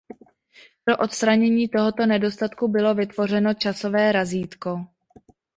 Pro odstranění tohoto nedostatku bylo vytvořeno časové razítko.